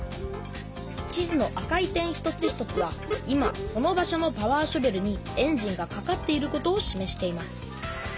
地図の赤い点一つ一つは今その場所のパワーショベルにエンジンがかかっていることをしめしています。